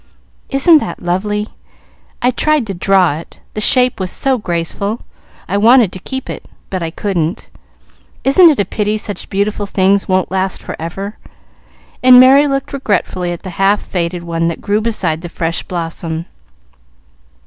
"Isn't that lovely? I tried to draw it the shape was so graceful I wanted to keep it. But I couldn't. Isn't it a pity such beautiful things won't last forever?" and Merry looked regretfully at the half faded one that grew beside the fresh blossom.